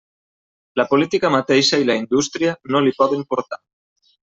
La política mateixa i la indústria no l'hi poden portar.